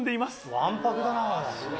わんぱくだな。